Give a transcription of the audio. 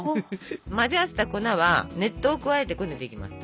混ぜ合わせた粉は熱湯を加えてこねていきます。